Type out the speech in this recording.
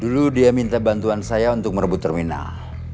dulu dia minta bantuan saya untuk merebut terminal